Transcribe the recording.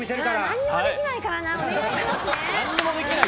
何もできないからな。